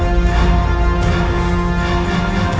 aku akan menangkapmu